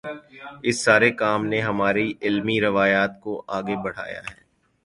اس سارے کام نے ہماری علمی روایت کو آگے بڑھایا ہے۔